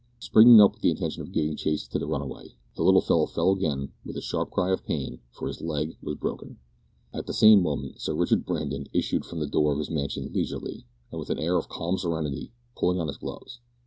Springing up with the intention of giving chase to the runaway, the little fellow again fell, with a sharp cry of pain, for his leg was broken. At the same moment Sir Richard Brandon issued from the door of his mansion leisurely, and with an air of calm serenity, pulling on his gloves.